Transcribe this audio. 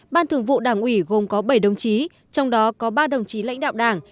ban thường vụ đảng ủy gồm có bảy đồng chí trong đó có ba đồng chí lãnh đạo đảng